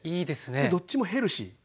どっちもヘルシー。